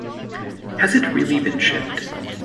Has it really been shipped?